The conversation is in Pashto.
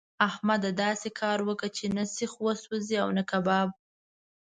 احمده! داسې کار وکړه چې نه سيخ وسوځي او نه هم کباب.